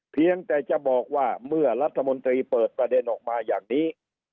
เพียงแต่จะบอกว่าเมื่อรัฐมนตรีเปิดประเด็นออกมาอย่างนี้